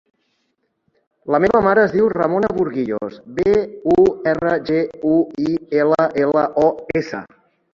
La meva mare es diu Ramona Burguillos: be, u, erra, ge, u, i, ela, ela, o, essa.